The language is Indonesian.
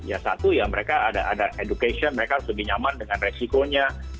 ya satu ya mereka ada education mereka harus lebih nyaman dengan resikonya